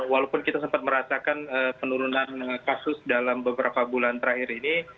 walaupun kita sempat merasakan penurunan kasus dalam beberapa bulan terakhir ini